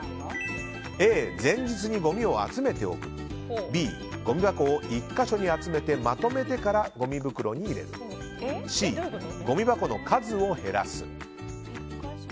Ａ、前日にごみを集めておくＢ、ごみ箱を１か所に集めてまとめてからごみ袋に入れるＣ、ごみ箱の数を減らす。